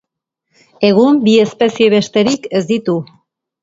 Egun, bi espezie besterik ez ditu.